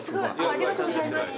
ありがとうございます。